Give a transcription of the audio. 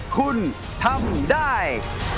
คุณทำได้